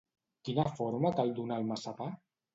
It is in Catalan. Quina forma cal donar al massapà?